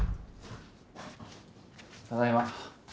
ただいま。